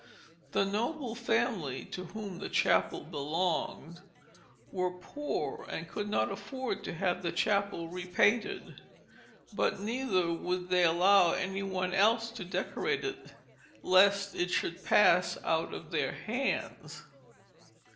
The noble family, to whom the chapel belonged, were poor and could not afford to have the chapel repainted, but neither would they allow any one else to decorate it, lest it should pass out of their hands.